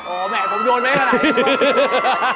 โอ้แม่ผมโยนไม่ได้